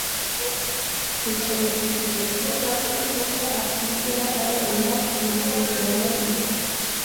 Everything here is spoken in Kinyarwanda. Twishingikirije kuri Patty kuko atigera arenga ku masezerano ye.